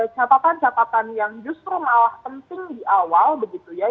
catatan catatan yang justru malah penting di awal begitu ya